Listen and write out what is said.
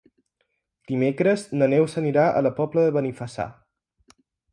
Dimecres na Neus anirà a la Pobla de Benifassà.